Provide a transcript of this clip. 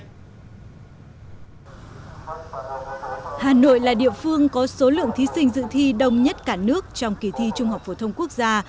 hà nội là địa phương có số lượng thí sinh dự thi đông nhất cả nước trong kỳ thi trung học phổ thông quốc gia